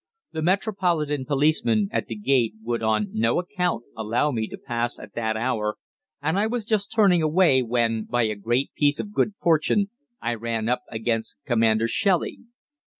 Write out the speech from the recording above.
The Metropolitan policeman at the gate would on no account allow me to pass at that hour, and I was just turning away when, by a great piece of good fortune, I ran up against Commander Shelley.